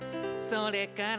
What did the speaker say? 「それから」